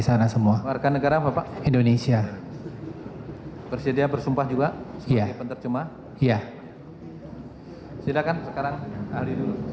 saya sebagai ahli